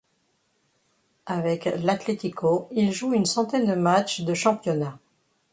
Avec l'Atlético, il joue une centaine de matchs de championnat.